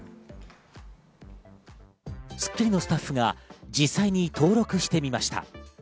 『スッキリ』のスタッフが実際に登録してみました。